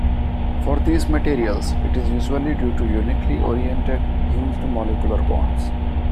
For these materials, it is usually due to uniquely oriented, hinged molecular bonds.